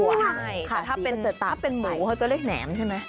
ถ้าเป็นหมูเขาจะเลี่ยงแหนมใช่ไหมคะใช่แต่ถ้าเป็นไส้กรองก็จะติดต่ำใหม่